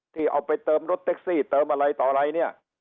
ที่เอาไปเติมรถเต็กซี่เติมอะไรต่อไหน